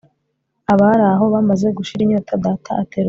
abari aho bamaze gushira inyota data aterura